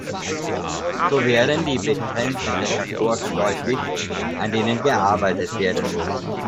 So werden die begrenzenden Faktoren deutlich, an denen gearbeitet werden muss.